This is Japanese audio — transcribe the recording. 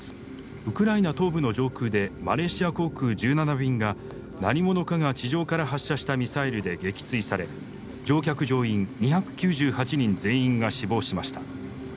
ウクライナ東部の上空でマレーシア航空１７便が何者かが地上から発射したミサイルで撃墜され乗客乗員２９８人全員が死亡しました。